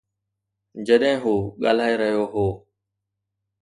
جڏهن هو ڳالهائي رهيو هو.